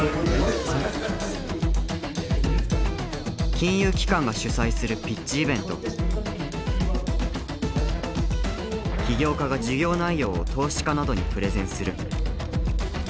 金融機関が主催する起業家が事業内容を投資家などにプレゼンする。